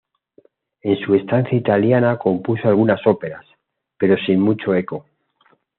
En su estancia italiana compuso algunas óperas, pero sin mucho eco.